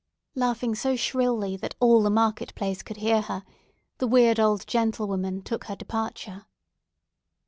Laughing so shrilly that all the market place could hear her, the weird old gentlewoman took her departure.